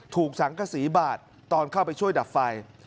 ถูกสังกษีบาดตอนเข้าไปช่วยดับไฟ